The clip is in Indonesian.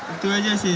itu saja sih